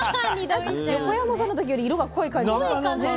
横山さんの時より色が濃い感じが。